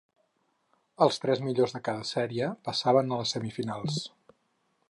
Els tres millors de cada sèrie passaven a les semifinals.